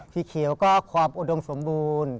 เขียวก็ความอุดมสมบูรณ์